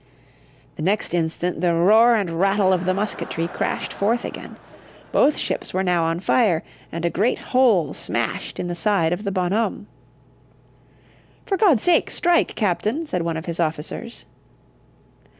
The next instant the roar and rattle of the musketry crashed forth again. Both ships were now on fire, and a great hole smashed in the side of the Bonhomme. "For God's sake, strike, Captain," said one of his officers.